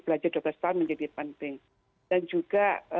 belajar dua belas tahun menjadi penting dan juga